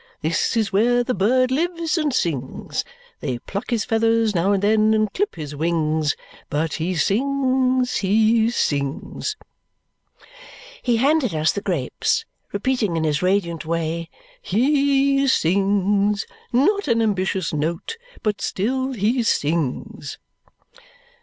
This is where the bird lives and sings. They pluck his feathers now and then and clip his wings, but he sings, he sings!" He handed us the grapes, repeating in his radiant way, "He sings! Not an ambitious note, but still he sings."